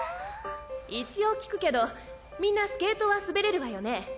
一応聞くけどみんなスケートは滑れるわよね？